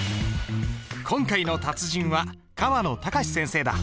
今回の達人は河野隆先生だ。